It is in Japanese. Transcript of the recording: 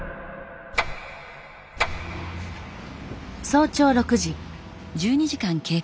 早朝６時。